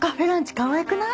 かわいくない？